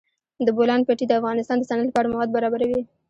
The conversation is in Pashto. د بولان پټي د افغانستان د صنعت لپاره مواد برابروي.